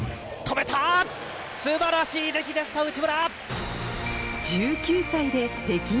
素晴らしい出来でした内村！